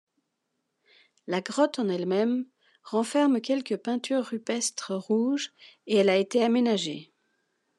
La grotte en elle-même renferme quelques peintures rupestres rouges et elle a été aménagée.